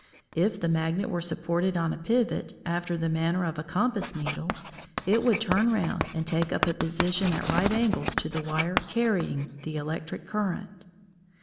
If the magnet was supported on a pivot, after the manner of a compass needle, it would turn round and take up a position at right angles to the wire carrying the electric current.